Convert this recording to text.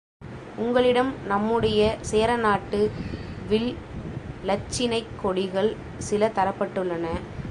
உங்களிடம் நம்முடைய சேரநாட்டு வில் இலச்சினைக் கொடிகள் சில தரப்பட்டுள்ளன.